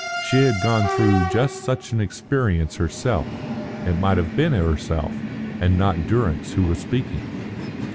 She had gone through just such an experience herself. It might have been herself, and not Durrance, who was speaking.